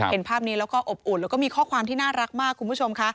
เห็นภาพนี้แล้วก็อบอุ่นแล้วก็มีข้อความที่น่ารักมากคุณผู้ชมค่ะ